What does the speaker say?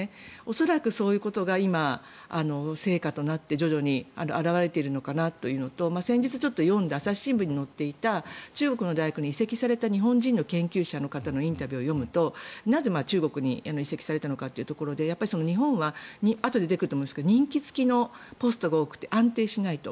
恐らくそういうことが今成果となって徐々に表れているのかなというのと先日、ちょっと読んだ朝日新聞に載っていた中国の大学に移籍された日本人の研究者の方のインタビューを読むとなぜ、中国に移籍されたのかというところで日本はあとで出てくるかと思うんですが任期付きのポストが多くて安定しないと。